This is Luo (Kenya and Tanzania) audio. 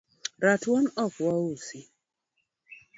Ratuon ok wausi